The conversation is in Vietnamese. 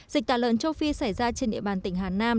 dịch tả lợn châu phi xảy ra trên địa bàn tỉnh hà nam